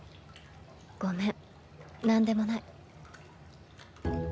ごめんなんでもない。